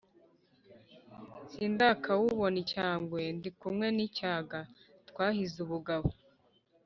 Sindakawubona icyangwe; ndi kumwe n’ icyaga twahize ubugabo.